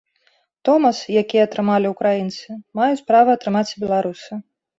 Томас, які атрымалі ўкраінцы, маюць права атрымаць і беларусы.